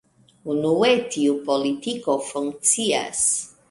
Unue, tiu politiko funkcias.